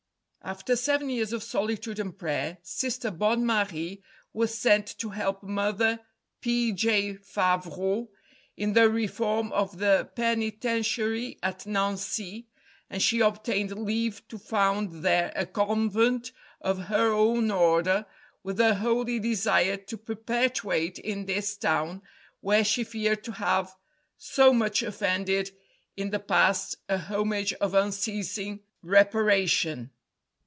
After seven years of solitude and prayer, Sister Bonne Marie was sent to help Mother P. J. Favrot in the reform of the Penitentiary at Nancy, and she obtained leave to found there a Convent of her own Order, with the holy desire to perpetuate in this town, where she feared to have so much offended in the past, a homage of unceasing reparation.